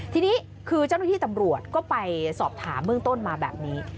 ทีนี้คือเจ้าหน้าที่ตำรวจก็ไปสอบถามเบื้องต้นมาแบบนี้